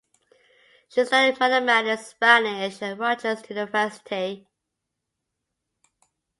She studied mathematics and Spanish at Rutgers University.